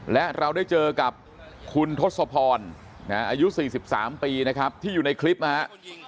และเราได้เจอกับคุณทศพรอายุ๔๓ปีนะครับที่อยู่ในคลิปนะฮะ